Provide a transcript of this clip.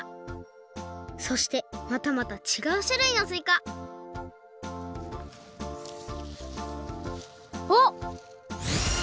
そしてまたまたちがうしゅるいのすいかあっ！